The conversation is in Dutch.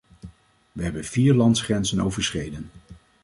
We hebben vier landsgrenzen overschreden.